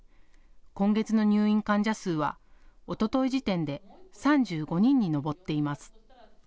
今月の入院患者数はおととい時点で３５人に上っています。